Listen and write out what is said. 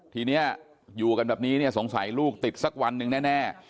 ทีนี้อยู่กันแบบนี้เนี่ยสงสัยลูกติดสักวันหนึ่งแน่